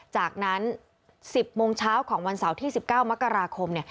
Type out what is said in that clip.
จากนั้น๑๐โมงเช้าของวันเสาร์ที่๑๙มกราคม